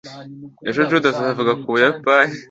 ejo judy azavuga ku buyapani